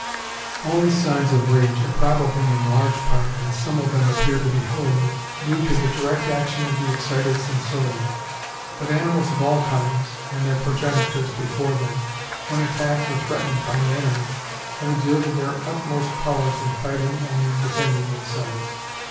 All these signs of rage are probably in large part, and some of them appear to be wholly, due to the direct action of the excited sensorium. But animals of all kinds, and their progenitors before them, when attacked or threatened by an enemy, have exerted their utmost powers in fighting and in defending themselves.